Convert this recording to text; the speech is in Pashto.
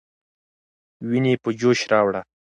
ويني په جوش راوړه.